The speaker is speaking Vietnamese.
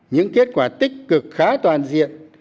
những kết quả tích cực khá toàn diện